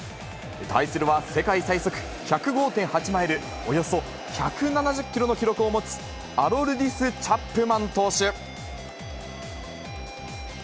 対するは世界最速、１０５．８マイル、およそ１７０キロの記録を持つ、アロルディス・チャップマン投手。